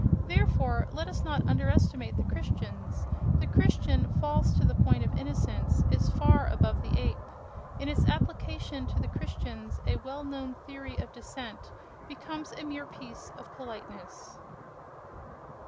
Therefore, let us not underestimate the Christians: the Christian, false to the point of innocence, is far above the ape—in its application to the Christians a well known theory of descent becomes a mere piece of politeness....